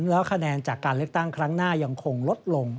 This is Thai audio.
แล้วคะแนนจากการเลือกตั้งครั้งหน้ายังคงลดลง